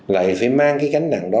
lại phải mang cái gánh nặng đó